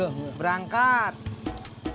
uang itu negatif